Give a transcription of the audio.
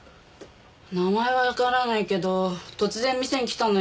名前はわからないけど突然店に来たのよ。